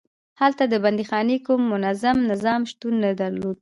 هلته د بندیخانې کوم منظم نظام شتون نه درلود.